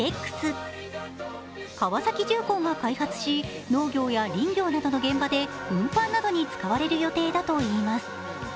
川崎重工が開発し農業や林業などの現場で運搬などに使われる予定だといいます。